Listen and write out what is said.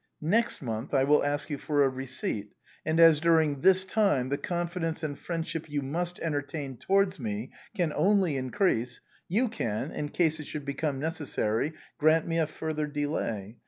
Next month I will ask you for a receipt, and as during this time the confidence and friendship you must entertain towards me can only increase, you can, in case it should become necessary, grant me a further delay.